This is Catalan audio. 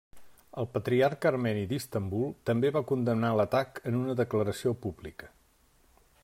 El Patriarca Armeni d'Istanbul també va condemnar l'atac en una declaració pública.